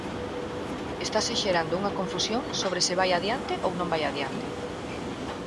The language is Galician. Estase xerando unha confusión sobre se vai adiante ou non vai adiante.